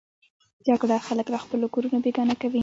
جګړه خلک له خپلو کورونو بېګانه کوي